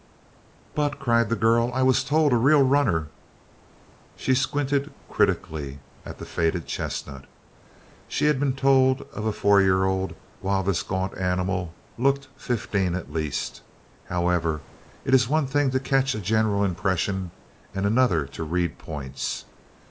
"But," cried the girl, "I was told of a real runner " She squinted critically at the faded chestnut. She had been told of a four year old while this gaunt animal looked fifteen at least. However, it is one thing to catch a general impression and another to read points.